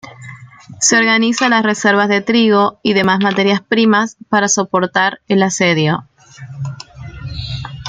Se organiza las reservas de trigo y demás materias primas para soportar el asedio.